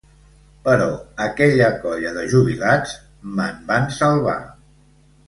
Però aquella colla de jubilats me'n van salvar.